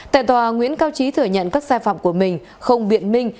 tại tòa nguyễn cao trí thừa nhận các sai phạm của mình không biện minh